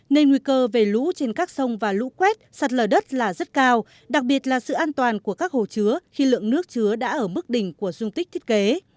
nên nguy cơ về lũ trên các sông và lũ quét sạt lở đất là rất cao đặc biệt là sự an toàn của các hồ chứa khi lượng nước chứa đã ở mức đỉnh của dung tích thiết kế